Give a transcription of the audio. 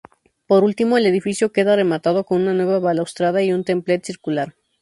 Por último, el edificio queda rematado con una nueva balaustrada y un templete circular.